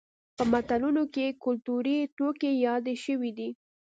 په متلونو کې کولتوري توکي یاد شوي دي